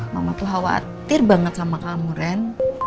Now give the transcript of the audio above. mama tuh khawatir banget sama kamu ren